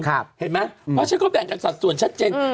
แต่แหงอากาศส่วนชัดเจน